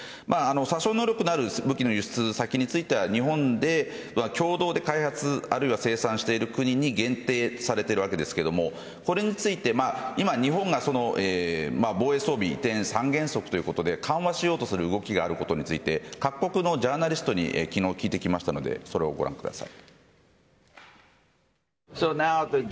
殺傷能力のある武器の輸出については日本では、共同で開発あるいは生産している国に限定されているわけですけどこれについて今、日本が防衛装備移転三原則ということで緩和する動きがあることについて各国のジャーナリストに聞いてきたのでそれをご覧ください。